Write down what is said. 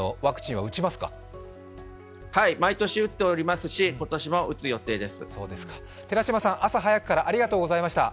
はい、毎年打っておりますし今年も打つ予定です。